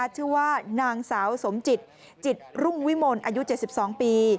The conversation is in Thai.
ชื่อว่านางสาวสมจิตจิตรุ่งวิมลอายุ๗๒ปี